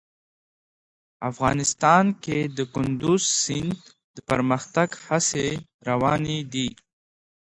افغانستان کې د کندز سیند د پرمختګ هڅې روانې دي.